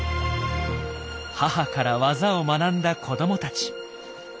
母から技を学んだ子どもたち。